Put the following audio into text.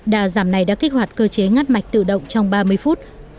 đà giảm này đã kích hoạt cơ chế ngắt mạch tự động trong ba mươi phút